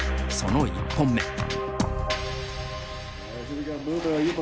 その１本目。